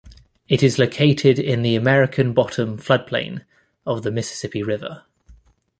It is located in the American Bottom floodplain of the Mississippi River.